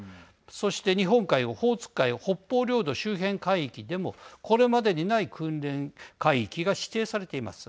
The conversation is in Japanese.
そして日本海、オホーツク海北方領土周辺海域でもこれまでにない訓練海域が指定されています。